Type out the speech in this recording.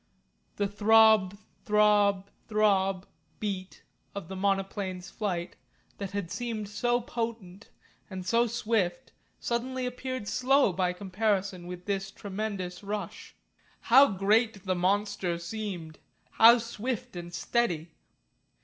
The throb, throb, throb beat, of the monoplane's flight, that had seemed so potent, and so swift, suddenly appeared slow by comparison with this tremendous rush. How great the monster seemed, how swift and steady!